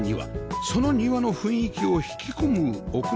その庭の雰囲気を引き込む屋内テラス